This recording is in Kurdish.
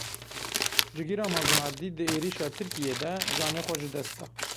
Cigîra Mazlûm Ebdî di êrîşa Tirkiyê de canê xwe ji dest da.